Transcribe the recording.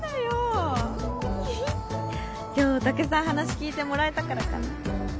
ヒヒッ今日たくさん話聞いてもらえたからかな。